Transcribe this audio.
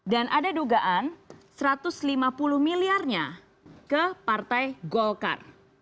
dan ada dugaan satu ratus lima puluh miliarnya ke partai golkar